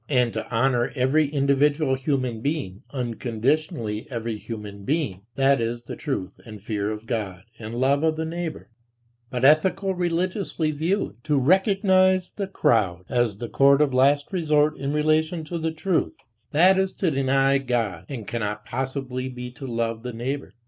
And to honor every individual human being, unconditionally every human being, that is the truth and fear of God and love of "the neighbor"; but ethico religiously viewed, to recognize "the crowd" as the court of last resort in relation to "the truth," that is to deny God and cannot possibly be to love "the neighbor."